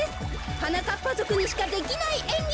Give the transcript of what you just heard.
はなかっぱぞくにしかできないえんぎ。